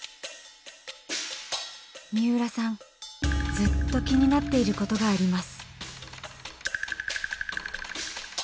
ずっと気になっていることがあります。